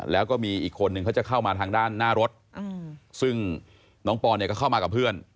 แล้วก็มีอีกคนนึงเขาจะเข้ามาทางด้านหน้ารถซึ่งน้องปอนเนี่ยก็เข้ามากับเพื่อน